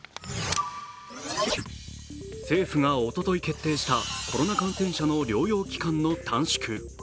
政府がおととい決定したコロナ感染者の療養期間の短縮。